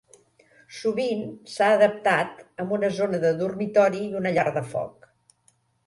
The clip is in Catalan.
Sovint s'ha adaptat amb una zona de dormitori i una llar de foc.